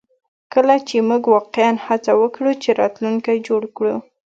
کله چې موږ واقعیا هڅه وکړو چې راتلونکی جوړ کړو